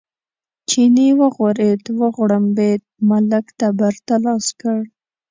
چیني وغورېد، وغړمبېد، ملک تبر ته لاس کړ.